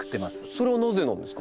それはなぜなんですか？